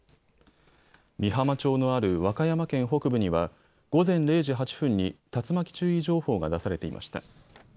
美浜町のある和歌山県北部には午前０時８分に竜巻注意情報が出されていました。